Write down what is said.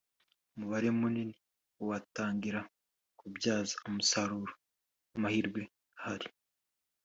umubare munini watangira kubyaza umusaruro amahirwe ahari